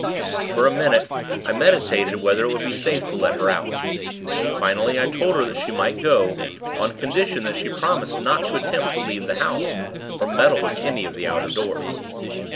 For a minute, I meditated whether it would be safe to let her out. Finally, I told her she might go, on condition that she promised not to attempt to leave the house, or meddle with any of the outer doors.